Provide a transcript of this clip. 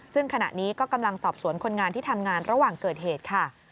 ซึ่งขณะนี้ก็กำลังสอบสวนคนงานที่ทำงานระหว่างเกิดเหตุค่ะ